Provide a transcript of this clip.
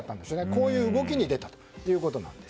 こういう動きに出たということなんです。